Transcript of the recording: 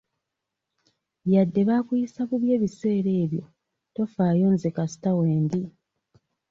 Yadde baakuyisa bubi ebiseera ebyo tofaayo nze kasita wendi.